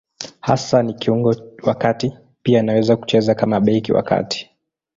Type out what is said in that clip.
Hasa ni kiungo wa kati; pia anaweza kucheza kama beki wa kati.